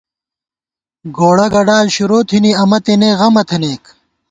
گوڑہ گڈال شروع تھنی، امہ تېنے غمہ تھنَئیک